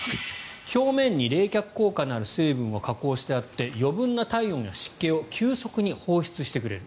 表面に冷却効果のある成分を加工してあって余分な体温や湿気を急速に放出してくれる。